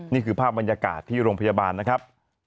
นี่คือภาพบรรยากาศที่โรงพยาบาลนะครับ